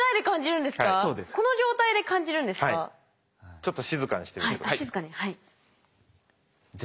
ちょっと静かにしてみて下さい。